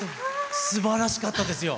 すばらしかったですよ。